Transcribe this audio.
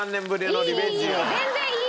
全然いい！